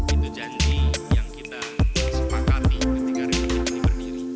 itu janji yang kita sepakati ketika republik ini berdiri